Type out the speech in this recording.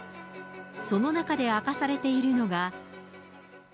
その中で明かされているのが。